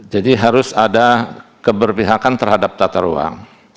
jadi harus ada keberpihakan terhadap tata ruang